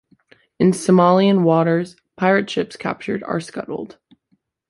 In Somalian waters, pirate ships captured are scuttled.